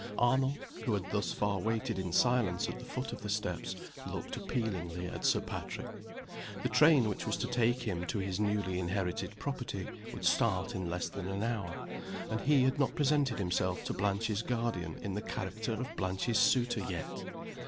Arnold, who had thus far waited in silence at the foot of the steps, looked appealingly at Sir Patrick. The train which was to take him to his newly inherited property would start in less than an hour; and he had not presented himself to Blanche's guardian in the character of Blanche's suitor yet!